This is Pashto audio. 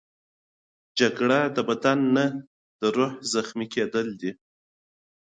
جګړه د بدن نه، د روح زخمي کېدل دي